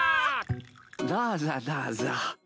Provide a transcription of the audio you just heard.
どうぞどうぞ。